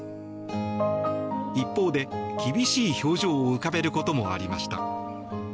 一方で、厳しい表情を浮かべることもありました。